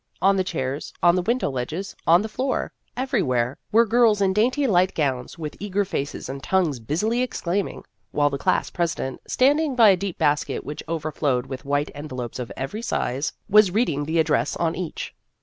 On the chairs, on the window ledges, on the floor, everywhere, were girls in dainty light gowns, with eager faces and tongues busily exclaiming, while the class presi dent, standing by a deep basket which over flowed with white envelopes of every size, was reading the address on each.